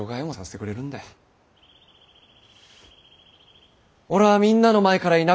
俺はみんなの前からいなくなる。